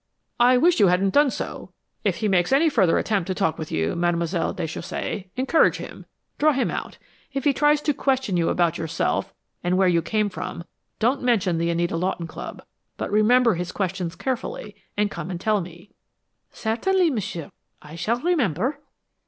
"I wish you hadn't done so. If he makes any further attempt to talk with you, Mademoiselle Déchaussée, encourage him, draw him out. If he tries to question you about yourself and where you came from, don't mention the Anita Lawton Club, but remember his questions carefully and come and tell me." "Certainly, m'sieur, I shall remember."